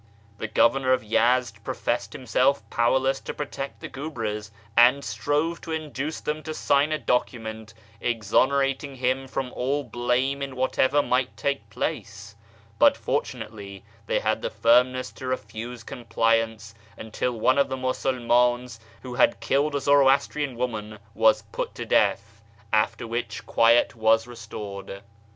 The governor of Yezd professed himself powerless to protect the guebres, and strove to induce them to sign a document exonerating him from all blame in whatever might take place ; but fortunately they had the firmness to refuse compliance until one of the Musulm; ins who had killed a Zoroastrian woman was put to death, after which quiet was restored.